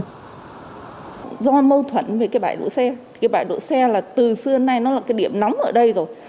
do mâu thuẫn với cái bãi đổ xe cái bãi đổ xe là từ xưa đến nay nó là cái điểm nóng ở đây rồi